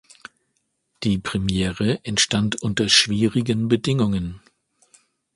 Die Premiere entstand unter schwierigen Bedingungen.